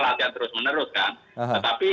latihan terus menerus kan tetapi